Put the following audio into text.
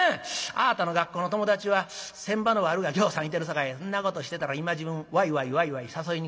あぁたの学校の友達は船場の悪がぎょうさんいてるさかいそんなことしてたら今時分わいわいわいわい誘いに来る。